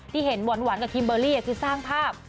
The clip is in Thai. ที่เห็นหวานกับคิมเบอร์รี่คือสร้างภาพ